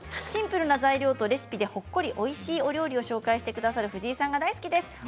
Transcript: シンプルな材料とレシピでほっこり、おいしいお料理をご紹介してくださる藤井さんが大好きです。